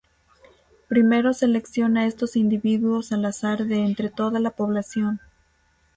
Primero selecciona estos individuos al azar de entre toda la población.